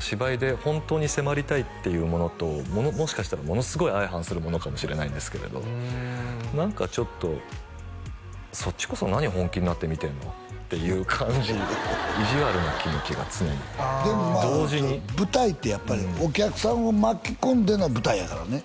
芝居でホントに迫りたいっていうものともしかしたらものすごい相反するものかもしれないんですけれど何かちょっと「そっちこそ何本気になって見てんの？」っていう感じ意地悪な気持ちが常に同時にでもまあ舞台ってやっぱりお客さんを巻き込んでの舞台やからね